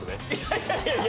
いやいやいや。